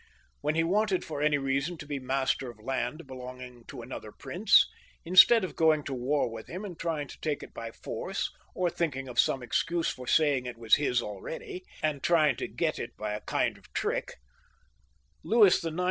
When he wanted for any reason to be master of land belonging to another prince, instead of going to war with him and trying to take it by force, or thinking of some excuse for saying it was his already, and trying to get it by a kind of trick, Louis IX.